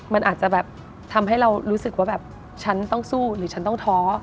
มันอาจจะแบบทำให้เรารู้สึกว่าแบบฉันต้องสู้หรือฉันต้องท้อ